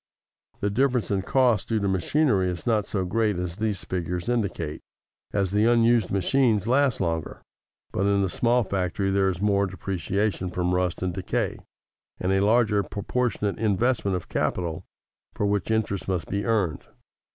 The difference in cost due to machinery is not so great as these figures indicate, as the unused machines last longer; but in the small factory there is more depreciation from rust and decay, and a larger proportionate investment of capital for which interest must be earned.